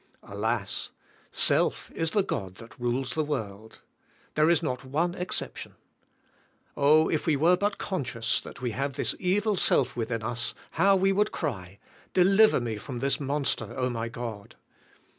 Alas! Self is the God that rules the world. There is not one exception. Oh, if we were but conscious that we have this evil self within us how we would cry, "Deliver me from this monster, O, my God."